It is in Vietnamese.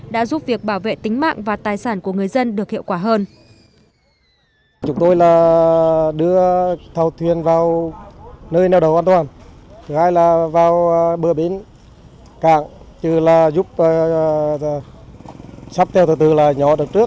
đã giúp việc bảo vệ tính mạng và tài sản của người dân được hiệu quả hơn